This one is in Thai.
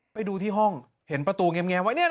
ไปดูที่ห้องเห็นประตูแงมไว้